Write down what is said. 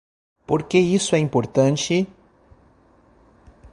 Por que isso é importante?